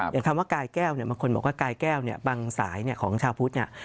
อย่างคำว่ากายแก้วเนี่ยบางคนบอกว่ากายแก้วเนี่ยบางสายของชาวพุทธเนี่ย